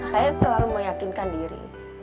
saya selalu meyakinkan diri